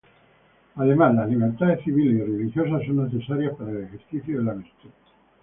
Además, las libertades civiles y religiosas son necesarias para el ejercicio de la virtud.